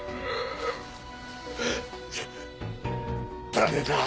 誰だ？